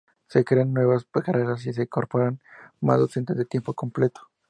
Se crean nuevas carreras y se incorporan más docentes de tiempo completo.